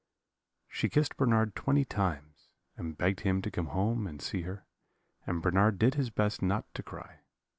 She kissed Bernard twenty times, and begged him to come and see her; and Bernard did his best not to cry.